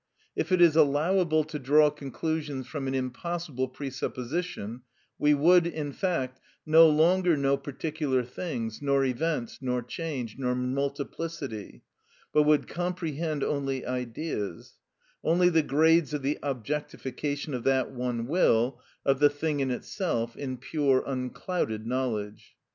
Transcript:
If it is allowable to draw conclusions from an impossible presupposition, we would, in fact, no longer know particular things, nor events, nor change, nor multiplicity, but would comprehend only Ideas,—only the grades of the objectification of that one will, of the thing in itself, in pure unclouded knowledge.